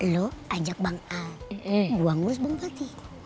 lu ajak bang a buang buang bang pati